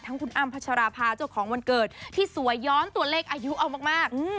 คุณอ้ำพัชราภาเจ้าของวันเกิดที่สวยย้อนตัวเลขอายุเอามาก